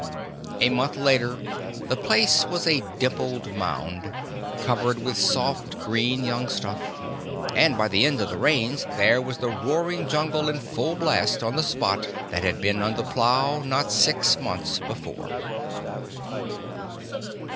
A month later the place was a dimpled mound, covered with soft, green young stuff; and by the end of the Rains there was the roaring Jungle in full blast on the spot that had been under plow not six months before.